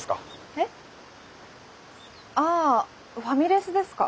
えっあファミレスですか？